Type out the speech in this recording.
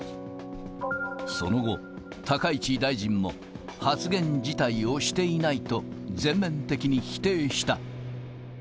その後、高市大臣も発言自体をしていないと、全面的に否定した。